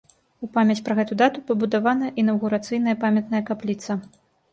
У памяць пра гэту дату пабудавана інаўгурацыйная памятная капліца.